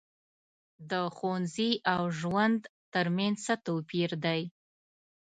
د ښوونځي او ژوند تر منځ څه توپیر دی.